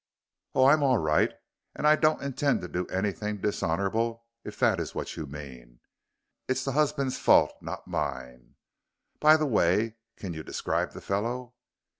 "Oh, I'm all right. And I don't intend to do anything dishonorable, if that is what you mean. It's the husband's fault, not mine. By the way, can you describe the fellow?"